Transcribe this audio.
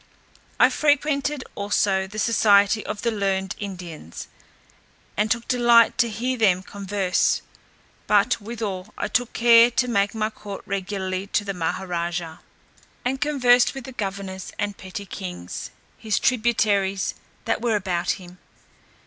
I frequented also the society of the learned Indians, and took delight to hear them converse; but withal, I took care to make my court regularly to the Maha raja, and conversed with the governors and petty kings, his tributaries, that were about him.